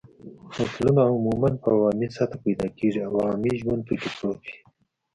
متلونه عموماً په عوامي سطحه پیدا کېږي او عوامي ژوند پکې پروت وي